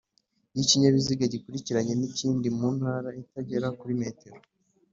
Iyo Ikinyabiziga gikurikiranye n’ ikindi muntara itagera kuri m